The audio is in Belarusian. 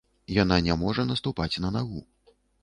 Яна не можа наступаць на нагу.